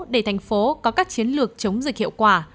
để tp hcm có các chiến lược chống dịch hiệu quả